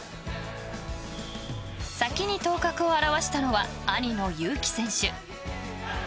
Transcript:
先に頭角を現したのは兄の祐希選手。